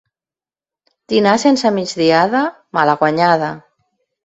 Dinar sense migdiada, malaguanyada.